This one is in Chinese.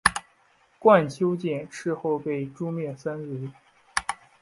毋丘俭事后被诛灭三族。